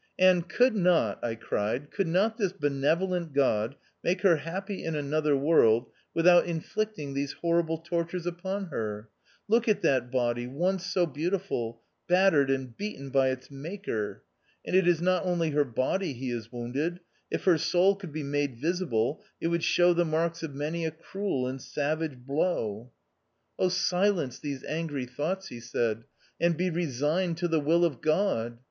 " And could not/' I cried, " could not this benevolent God make her happy in another world without inflicting these horrible tor tures upon her ? Look at that body, once so beautiful, battered and beaten by its maker. And it is not only her body he has wounded. If her soul could be made visible, it would show the marks of many a cruel and savage blow." 2i2 THE OUTCAST. " Oh, silence these angry thoughts," he said, " and be resigned to the will of God.